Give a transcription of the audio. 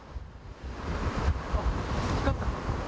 あっ、光った。